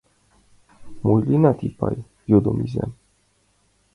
— Мо лийынат, Ипай? — йодо изам.